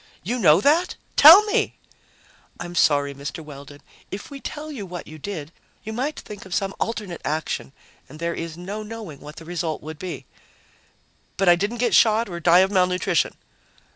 "You know that? Tell me!" "I'm sorry, Mr. Weldon. If we tell you what you did, you might think of some alternate action, and there is no knowing what the result would be." "But I didn't get shot or die of malnutrition?"